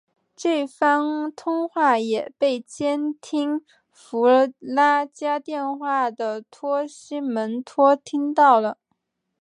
这番通话也被监听弗拉加电话的纳西门托听到了。